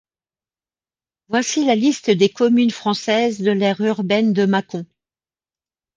Voici la liste des communes françaises de l'aire urbaine de Mâcon.